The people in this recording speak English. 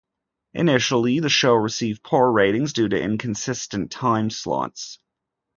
Initially, the show received poor ratings due to inconsistent time slots.